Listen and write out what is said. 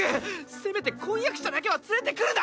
せめて婚約者だけは連れてくるな！